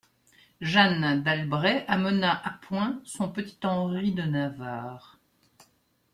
Jeanne d'Albret amena à point son petit Henri de Navarre.